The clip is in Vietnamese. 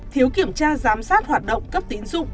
thiếu kiểm tra giám sát hoạt động cấp tín dụng